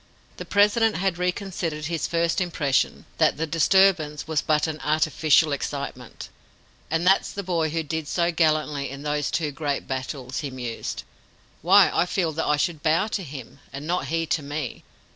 The President had reconsidered his first impression that the "disturbance" was but "an artificial excitement." "And that's the boy who did so gallantly in those two great battles!" he mused; "why, I feel that I should bow to him, and not he to me."